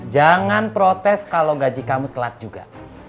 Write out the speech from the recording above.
jangan protes kalohandogan kamu telat juga